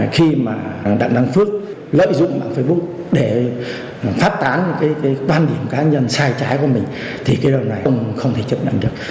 khi mà đặng đăng phước lợi dụng mạng facebook để phát tán những cái quan điểm cá nhân sai trái của mình thì cái điều này không thể chấp nhận được